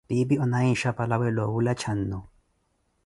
Piipi onaaye nxhapa lawe noowula cannu.